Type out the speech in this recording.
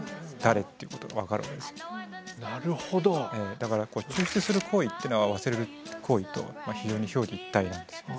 だから抽出する行為ってのは忘れる行為と非常に表裏一体なんですね。